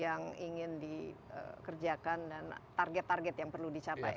yang ingin dikerjakan dan target target yang perlu dicapai